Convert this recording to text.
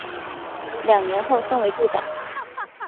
两年后升为部长。